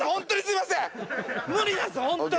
無理ですホントに。